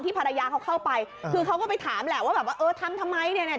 ภรรยาเขาเข้าไปคือเขาก็ไปถามแหละว่าแบบว่าเออทำทำไมเนี่ย